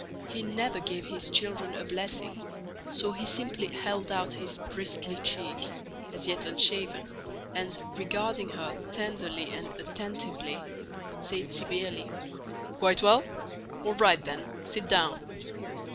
He never gave his children a blessing, so he simply held out his bristly cheek (as yet unshaven) and, regarding her tenderly and attentively, said severely: "Quite well? All right then, sit down."